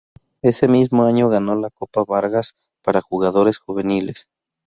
Ese mismo año ganó la Copa Vargas, para jugadores juveniles.